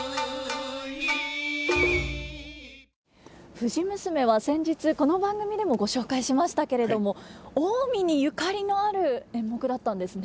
「藤娘」は先日この番組でもご紹介しましたけれども近江にゆかりのある演目だったんですね。